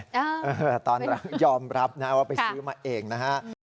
อ่าตอนยอมรับนะเอาไปซื้อมาเองนะฮะ